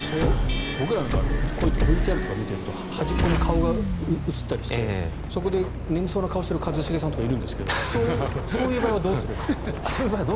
僕らはＶＴＲとかを見ていると端っこに顔が映ったりしてそこで眠そうな顔をしてる一茂さんとかいるんですがそういう場合はどうすればいいんですか？